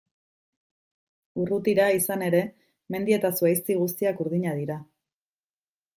Urrutira, izan ere, mendi eta zuhaizti guztiak urdinak dira.